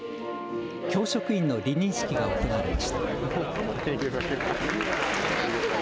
教職員の離任式が行われました。